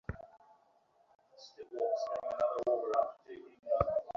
একপর্যায়ে টাস্কফোর্সের সদস্যরা কারখানা পরিদর্শনের জন্য বিজিএমইএর কাছে ধরনা দিতে শুরু করেন।